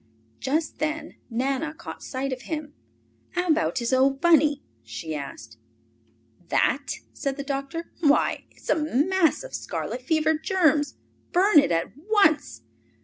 Just then Nana caught sight of him. "How about his old Bunny?" she asked. "That?" said the doctor. "Why, it's a mass of scarlet fever germs! Burn it at once.